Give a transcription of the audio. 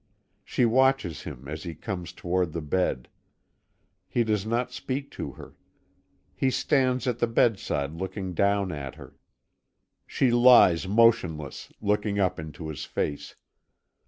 She watches him as he comes toward the bed. He does not speak to her. He stands at the bedside looking down at her. She lies motionless, looking up into his face.